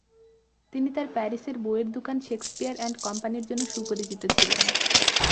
তিনি তার প্যারিসের বইয়ের দোকান শেকসপিয়ার অ্যান্ড কোম্পানির জন্য সুপরিচিত ছিলেন।